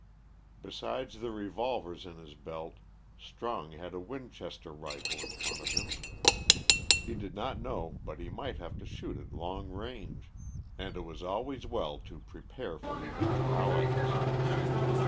Besides the revolvers in his belt, Strong had a Winchester rifle in front of him. He did not know but he might have to shoot at long range, and it was always well to prepare for eventualities.